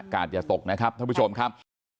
กาลอย่าตกนะครับทุกผู้ชมครับ